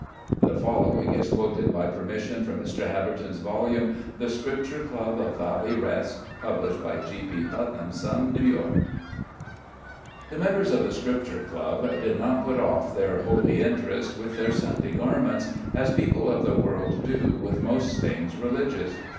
[The following is quoted, by permission, from Mr. Habberton's volume, "THE SCRIPTURE CLUB OF VALLEY REST," published by G.P. Putnam's Sons, New York.] The members of the Scripture Club did not put off their holy interest with their Sunday garments, as people of the world do with most things religious.